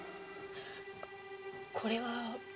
これは。